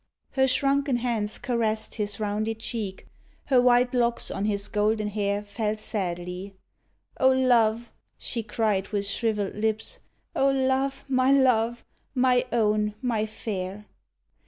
Her shrunken hands caressed his rounded cheek, Her white locks on his golden hair Fell sadly. "O love!" she cried with shriveled lips, "O love, my love, my own, my fair!